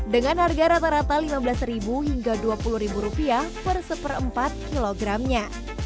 dengan harga rata rata rp lima belas hingga rp dua puluh rupiah per seperempat kilogramnya